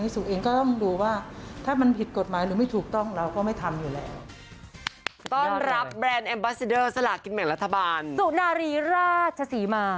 สุนารีราชศรีมา